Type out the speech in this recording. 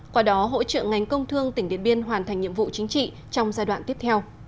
qua đó hỗ trợ ngành công thương tỉnh điện biên hoàn thành nhiệm vụ chính trị trong giai đoạn tiếp theo